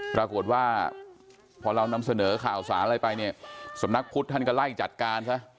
ปรากฏว่าพอเรานำเสนอข่าวสารอะไรไปเนี่ยสำนักพุทธท่านก็ไล่จัดการซะ